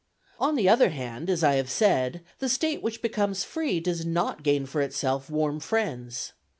On the other hand, as I have said, the State which becomes free does not gain for itself warm friends.